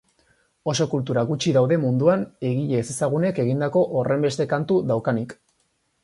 Oso kultura gutxi daude munduan egile ezezagunek egindako horrenbeste kantu daukanik.